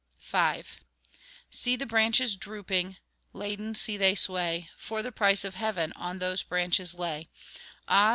V See the branches drooping! Laden, see they sway! For the price of heaven On those branches lay; Ah!